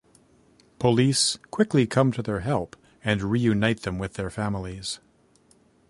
Police quickly come to their help and reunite them with their families.